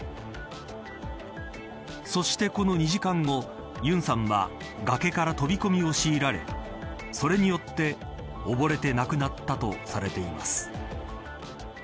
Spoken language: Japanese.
そして、その２時間後ユンさんは崖から飛び込みをしいられそれによって溺れて亡くなったとされています。